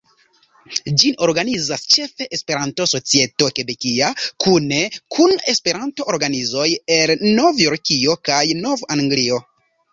Ĝin organizas ĉefe Esperanto-societo kebekia, kune kun esperanto-organizoj el Novjorkio kaj Nov-Anglio.